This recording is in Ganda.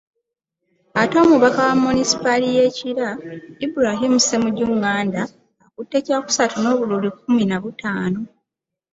Ate omubaka wa munisipaali ye Kira, Ibrahim Ssemujju ŋŋanda akutte kyakusatu n’obululu kkumi nabutaano